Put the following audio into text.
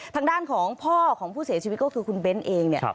ทางด้านของพ่อของผู้เสียชีวิตก็คือคุณเบ้นเองเนี่ย